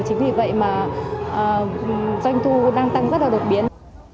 chính vì vậy mà doanh thu đang tăng rất là đột biến